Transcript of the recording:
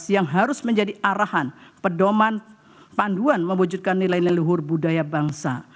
yang harus menjadi arahan pedoman panduan mewujudkan nilai leluhur budaya bangsa